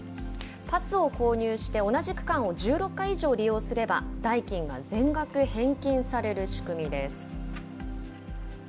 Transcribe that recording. パスを購入して同じ区間を１６回以上利用すれば、代金が全額返金される仕組みです。